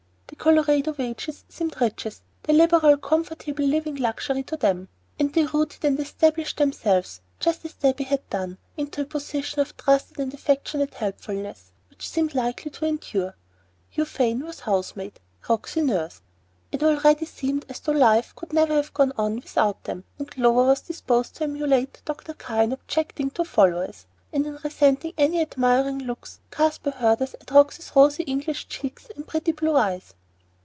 The Colorado wages seemed riches, the liberal comfortable living luxury to them, and they rooted and established themselves, just as Debby had done, into a position of trusted and affectionate helpfulness, which seemed likely to endure. Euphane was housemaid, Roxy nurse; it already seemed as though life could never have gone on without them, and Clover was disposed to emulate Dr. Carr in objecting to "followers," and in resenting any admiring looks cast by herders at Roxy's rosy English cheeks and pretty blue eyes.